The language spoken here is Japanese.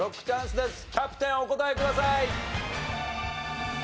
キャプテンお答えください。